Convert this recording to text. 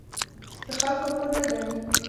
د خلکو پور نه ګڼي.